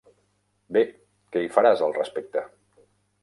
Bé, què hi faràs al respecte?